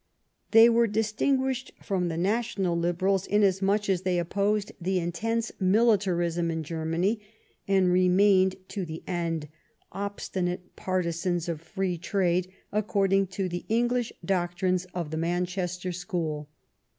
They were distinguished from the National Liberals inasmuch as they opposed the intense militarism of Germany, and remained to the end obstinate partisans of Free Trade according to the English doctrines of the Manchester School.